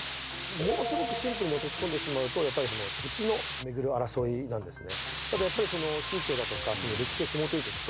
ものすごくシンプルに落とし込んでしまうとやっぱりこの土地をめぐる争いなんですね